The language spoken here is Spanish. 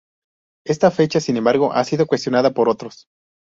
Esta fecha, sin embargo, ha sido cuestionada por otros.